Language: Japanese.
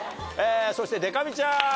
そしてでか美ちゃん！